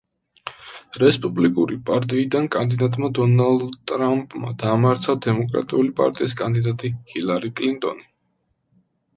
რესპუბლიკური პარტიიდან კანდიდატმა დონალდ ტრამპმა დაამარცხა დემოკრატიული პარტიის კანდიდატი ჰილარი კლინტონი.